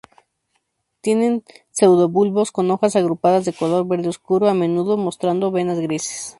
Tienen pseudobulbos con hojas agrupadas de color verde oscuro, a menudo mostrando venas grises.